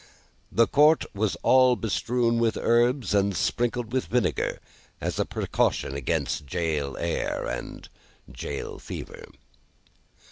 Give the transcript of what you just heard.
The court was all bestrewn with herbs and sprinkled with vinegar, as a precaution against gaol air and gaol fever.